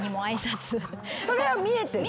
それは見えてんの？